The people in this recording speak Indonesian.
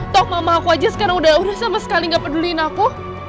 toh mama aku aja sekarang udah sama sekali gak peduliin aku